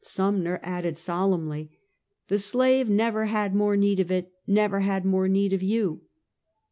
Sumner added solemnly: " The slave never had more need of it; never had more need of you."